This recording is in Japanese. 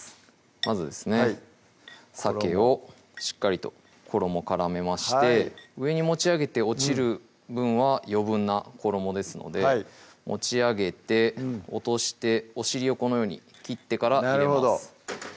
まずですねさけをしっかりと衣絡めまして上に持ち上げて落ちる分は余分な衣ですので持ち上げて落としてお尻をこのように切ってから入れます